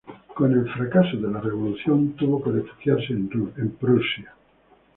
Al fracaso de la revolución, tuvo que refugiarse en Prusia.